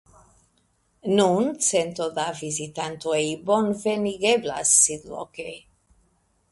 Nun cento da vizitantoj bonvenigeblas sidloke.